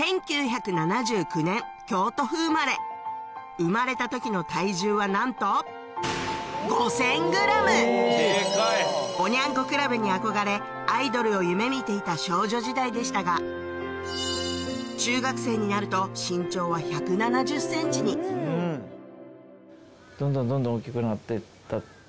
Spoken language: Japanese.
生まれた時の体重はなんとおニャン子クラブに憧れアイドルを夢見ていた少女時代でしたが中学生になると身長は１７０ｃｍにどんどんどんどん。